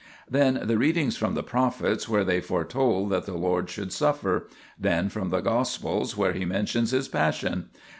Then the readings from the prophets where they foretold that the Lord should suffer, then from the Gospels where He men tions His Passion.